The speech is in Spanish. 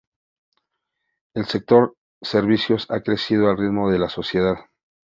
El sector servicios ha crecido al ritmo de la sociedad.